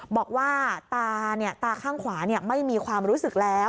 บอกว่าตาข้างขวาไม่มีความรู้สึกแล้ว